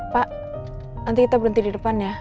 pak nanti kita berhenti di depan ya